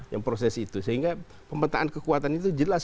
yang proses itu sehingga pemetaan kekuatan itu jelas